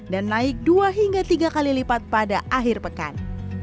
dan naik dua hingga tiga kali lipat pada akhir pekan